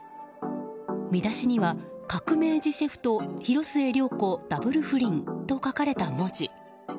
見出しには、「革命児シェフと広末涼子Ｗ不倫」と書かれた文字。